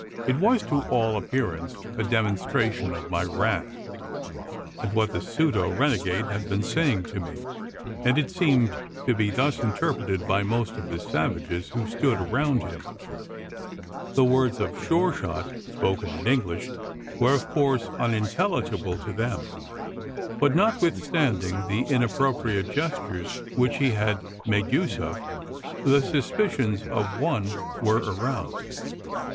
It was, to all appearance, a demonstration of my wrath, at what the pseudo renegade had been saying to me; and it seemed to be thus interpreted by most of the savages who stood around him. The words of Sure shot, spoken in English, were of course unintelligible to them; but, notwithstanding the inappropriate gestures which he had made use of, the suspicions of one were aroused.